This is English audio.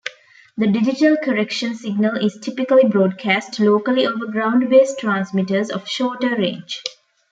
The digital correction signal is typically broadcast locally over ground-based transmitters of shorter range.